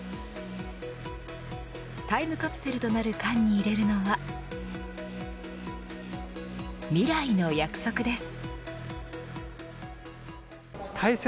タイムカプセルとなる缶に入れるのは未来の約束です。